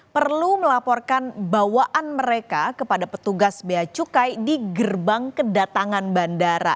perlu melaporkan bawaan mereka kepada petugas bea cukai di gerbang kedatangan bandara